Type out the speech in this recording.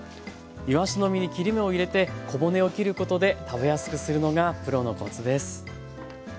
いわしの身に切り身を入れて小骨を切ることで食べやすくするのがプロのコツです。